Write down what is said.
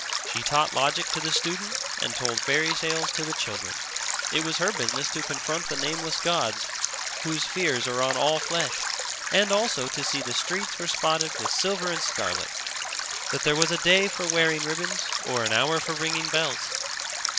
She taught logic to the student and told fairy tales to the children; it was her business to confront the nameless gods whose fears are on all flesh, and also to see the streets were spotted with silver and scarlet, that there was a day for wearing ribbons or an hour for ringing bells.